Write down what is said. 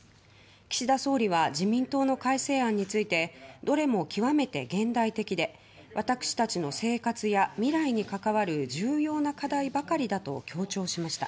岸田総理は自民党の改正案についてどれも極めて現代的で私たちの生活や未来に関わる重要な課題ばかりだと強調しました。